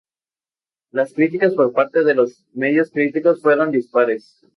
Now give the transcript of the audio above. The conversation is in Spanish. Las críticas por parte de los medios críticos fueron dispares.